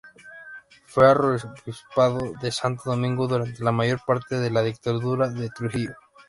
Fue arzobispo de Santo Domingo durante la mayor parte de la dictadura de Trujillo.